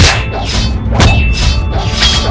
mereka semua berpikir seperti itu